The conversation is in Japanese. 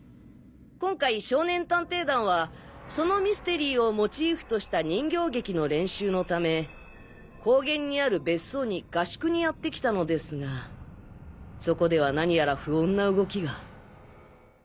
今回少年探偵団はそのミステリーをモチーフとした人形劇の練習のため高原にある別荘に合宿にやって来たのですがそこでは何やら不穏な動きが。